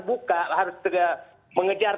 buka harus mengejar